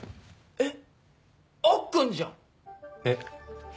えっ？